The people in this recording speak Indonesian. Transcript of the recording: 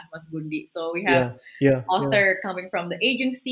jadi kita memiliki penulis dari agensi